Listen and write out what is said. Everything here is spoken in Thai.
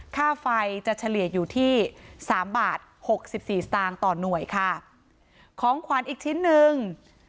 ค่าไฟจะเฉลี่ยอยู่ที่สามบาทหกสิบสี่สตางค์ต่อหน่วยค่ะของขวัญอีกชิ้นหนึ่ง